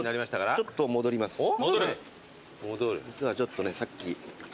実はちょっとねさっき。